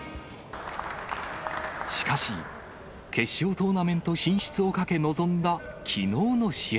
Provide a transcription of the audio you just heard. しかし、決勝トーナメント進出をかけ臨んだきのうの試合。